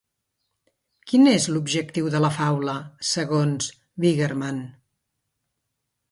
Quin és l'objectiu de la faula segons Wiggerman?